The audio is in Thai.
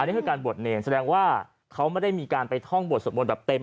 นี่คือการบวชเนรแสดงว่าเขาไม่ได้มีการไปท่องบวชสวดมนต์แบบเต็ม